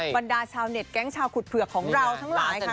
บรรดาชาวเน็ตแก๊งชาวขุดเผือกของเราทั้งหลายค่ะ